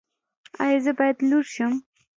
ایا زه باید لور شم؟